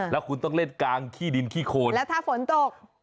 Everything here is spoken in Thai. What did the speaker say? แล้วคุณต้องเล่นกลางขี้ดินขี้โคนแล้วถ้าฝนตก